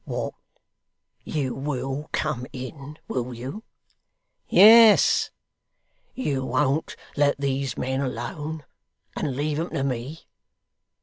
'What! You WILL come in, will you?' 'Yes.' 'You won't let these men alone, and leave 'em to me?